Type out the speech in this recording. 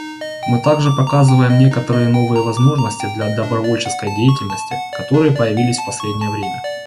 Мы также показываем некоторые новые возможности для добровольческой деятельности, которые появились в последнее время.